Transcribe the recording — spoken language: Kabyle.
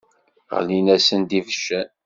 Ɣlin-asen-id ibeccan.